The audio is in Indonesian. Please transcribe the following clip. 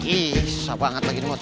ih susah banget lagi di motor